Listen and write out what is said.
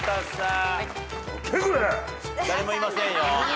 誰もいませんよ。